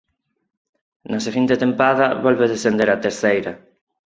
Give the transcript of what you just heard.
Na seguinte tempada volve descender a Terceira.